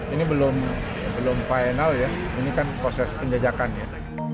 ini belum final ya ini kan proses penjajakan ya